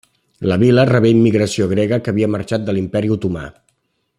La vila rebé immigració grega que havia marxat de l'Imperi Otomà.